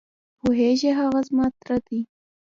پوهېږې؟ هغه زما تره دی.